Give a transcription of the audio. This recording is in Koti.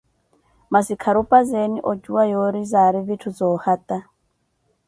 Masi kharupazeeni ocuwa yoori zaari vitthu zoohata.